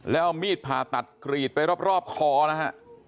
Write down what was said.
แล้วเอามีดผ่าตัดกรีดไปรอบคอนะฮะ